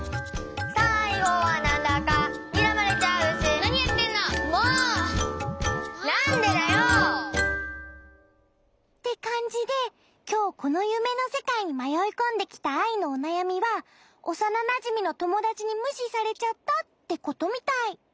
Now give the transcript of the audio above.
なにやってんの！？ってかんじできょうこのゆめのせかいにまよいこんできたアイのおなやみはおさななじみのともだちにむしされちゃったってことみたい。